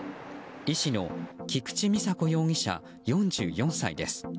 医師の菊池美佐子容疑者、４４歳です。